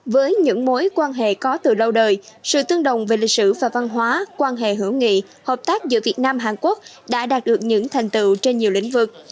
với những mối quan hệ có từ lâu đời sự tương đồng về lịch sử và văn hóa quan hệ hữu nghị hợp tác giữa việt nam hàn quốc đã đạt được những thành tựu trên nhiều lĩnh vực